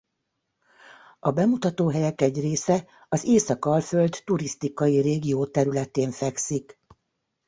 A bemutatóhelyek egy része az Észak-Alföld turisztikai régió területén fekszik.